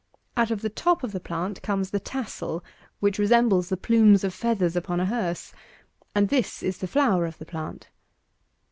Out of the top of the plant comes the tassel, which resembles the plumes of feathers upon a hearse; and this is the flower of the plant.